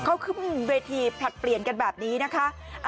เขาขึ้นเวทีผลัดเปลี่ยนกันแบบนี้นะคะ